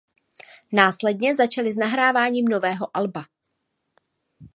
Následně začali s nahrávání nového alba.